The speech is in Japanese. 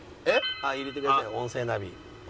入れてください音声ナビ。